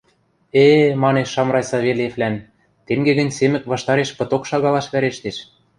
— Э-э, — манеш Шамрай Савельевлӓн, — тенге гӹнь Семӹк ваштареш пыток шагалаш вӓрештеш.